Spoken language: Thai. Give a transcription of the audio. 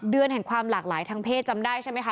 เดือนแห่งความหลากหลายทางเพศจำได้ใช่ไหมคะ